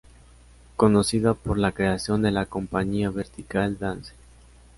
Conocida por la creación de la Compañía Vertical Danse.